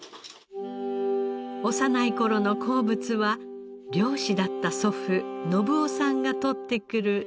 幼い頃の好物は漁師だった祖父信夫さんが取ってくるしじみでした。